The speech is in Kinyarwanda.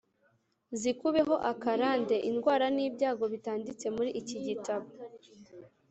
zikubeho akarande. Indwara n’ibyago bitanditse muri iki gitabo